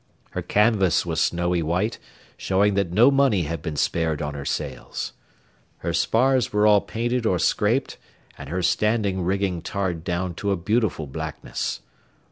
Her canvas was snowy white, showing that no money had been spared on her sails. Her spars were all painted or scraped and her standing rigging tarred down to a beautiful blackness.